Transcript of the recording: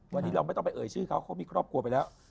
วันนี้เราไม่ต้องไปเอ่ยชื่อเขาเขามีครอบครัวไปแล้ว